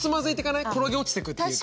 転げ落ちてくっていうか。